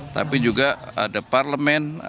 tapi juga ada parlemen